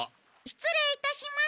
失礼いたします。